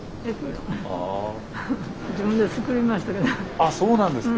あっそうなんですか。